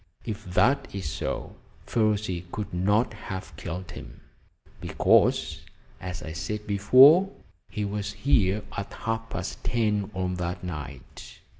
If that is so, Ferruci could not have killed him, because, as I said before, he was here at half past ten on that night."